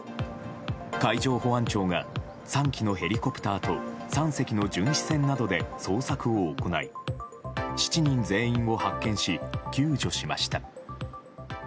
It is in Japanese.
海上保安庁が３機のヘリコプターと３隻の巡視船などで捜索を行い７人全員を発見し救助しました。